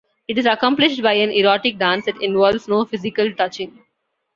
It is accompanied by an erotic dance that involves no physical touching.